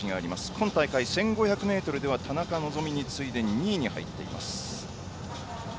今大会１５００ｍでは田中希実に次いで２位です。